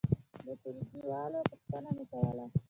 د ټولګي والو پوښتنه مې کوله.